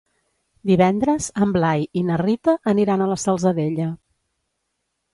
Divendres en Blai i na Rita aniran a la Salzadella.